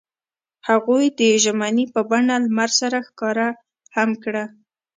هغوی د ژمنې په بڼه لمر سره ښکاره هم کړه.